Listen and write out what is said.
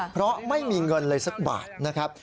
เพราะไม่มีเงินเลยสักบาทนะครับ